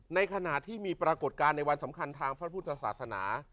ในขณะที่มีปรากฏการณ์ในวันสำคัญทางพระพุทธศาสนา